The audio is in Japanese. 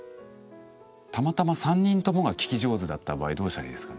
たまたま３人ともが聞き上手だった場合どうしたらいいですかね。